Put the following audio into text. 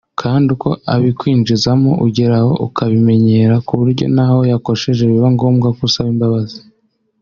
Kandi uko abikwinjizamo ugeraho ukabimenyera ku buryo n’aho yakosheje biba ngombwa ko usaba imbabazi